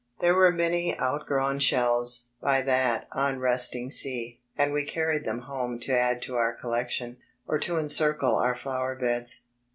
There were many "outgrown shells" by that "unresung sea," and we carried them home to add to our collection, or to encircle our flower beds.